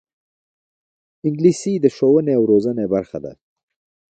انګلیسي د ښوونې او روزنې برخه ده